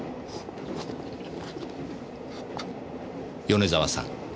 米沢さん。